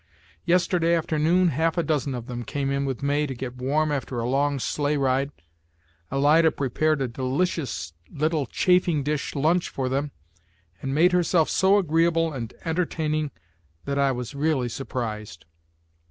Yesterday afternoon half a dozen of them came in with May to get warm after a long sleigh ride. Alida prepared a delicious little chafing dish lunch for them, and made herself so agreeable and entertaining that I was really surprised.